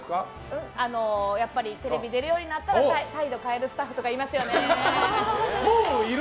やっぱりテレビ出るようになったら態度を変えるスタッフとかもう、いる？